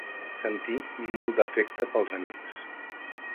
Sentir molt d'afecte pels amics.